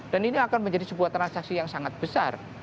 dan ini akan menjadi sebuah transaksi yang sangat besar